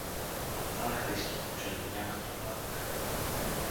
Татар Христо почервеня като рак.